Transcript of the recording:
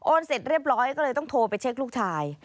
เสร็จเรียบร้อยก็เลยต้องโทรไปเช็คลูกชาย